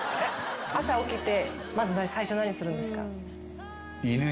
朝起きてまず最初何するんですか？